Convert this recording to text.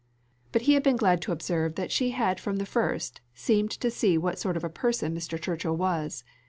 But he had been glad to observe that she had from the first seemed to see what sort of a person Mr. Churchill was.